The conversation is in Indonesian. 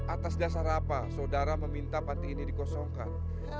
atas dasar apa saudara meminta panti ini dikosongkan